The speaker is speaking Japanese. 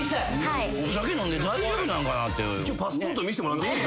お酒飲んで大丈夫なんかなって。